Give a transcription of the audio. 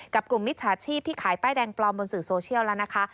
กลุ่มมิจฉาชีพที่ขายป้ายแดงปลอมบนสื่อโซเชียลแล้วนะคะ